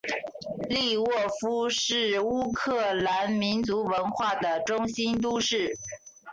利沃夫是乌克兰民族文化的中心都市。